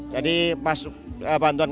jadi pas bantuan